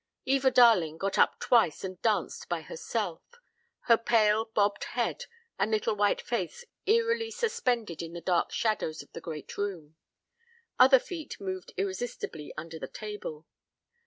Eva Darling got up twice and danced by herself, her pale bobbed head and little white face eerily suspended in the dark shadows of the great room. Other feet moved irresistibly under the table.